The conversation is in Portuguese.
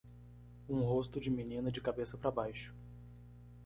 Um rosto de menina de cabeça para baixo.